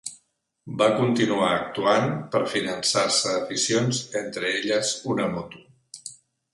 Va continuar actuant per finançar-se aficions, entre elles una moto.